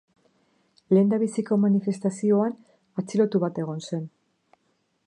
Lehendabiziko manifestazioan atxilotu bat egon zen.